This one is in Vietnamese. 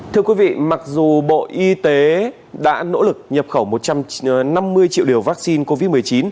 thưa quý vị mặc dù bộ y tế đã nỗ lực nhập khẩu một trăm năm mươi triệu liều vaccine covid một mươi chín